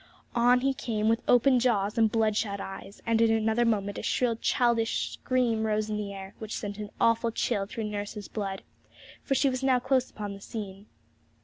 On he came, with open jaws and bloodshot eyes; and in another moment a shrill childish scream rose in the air, which sent an awful chill through nurse's blood; for she was now close upon the scene.